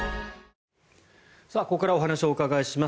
ここからはお話をお伺いします。